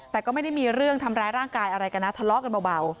แต่ก็ไม่ได้มีเรื่องทำร้ายร่างกายอะไรกันนะทะเลาะกันเบา